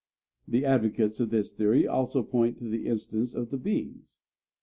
The advocates of this theory also point to the instance of the bees.